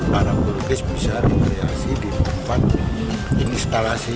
para pelukis bisa dikreasi di tempat instalasi atau tempat di surabaya yang ikon